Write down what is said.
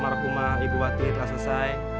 saatyou tahun haupti